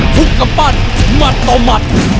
ทุกกำปั้นมันต่อมัน